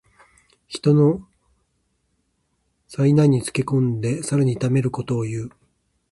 人の危難につけ込んでさらに痛めつけることをいう。